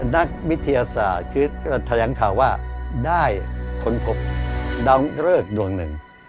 นักวิทยาศาสตร์คือแถลงข่าวว่าได้ค้นพบดาวเริกดวงหนึ่ง